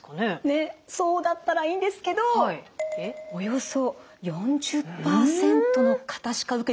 ねっそうだったらいいんですけどおよそ４０％の方しか受けてないんです。